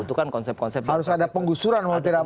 harus ada penggusuran